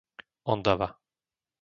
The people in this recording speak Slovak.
Ondava